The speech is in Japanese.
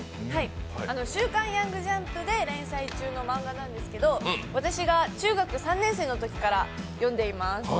「週刊ヤングジャンプ」で連載中の漫画なんですけど私が中学３年生のときから読んでいます。